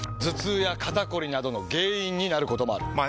頭痛や肩こりなどの原因になることもある。